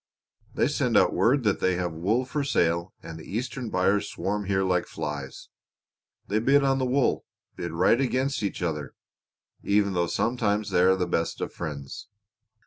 They send out word that they have wool for sale and the Eastern buyers swarm here like flies. They bid on the wool bid right against each other, even though sometimes they are the best of friends.